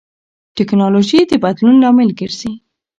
ټیکنالوژي د بدلون لامل ګرځي.